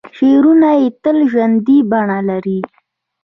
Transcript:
شعرونه یې تل ژوندۍ بڼه لري.